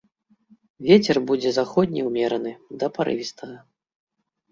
Вецер будзе заходні ўмераны да парывістага.